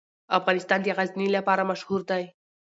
افغانستان د غزني لپاره مشهور دی.